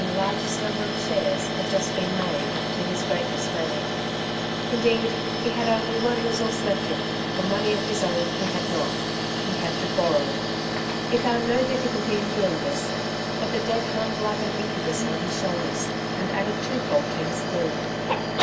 the largest number of shares had just been made, to his great dismay ; indeed he had only one resource left him, for money of his own he had not. He had to borrow. He found no difficulty in doing this ; but the debt hung like an incubus on his shoulders, and added twofold to his gloom.